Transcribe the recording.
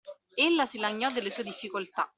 Ella si lagnò delle sue difficoltà;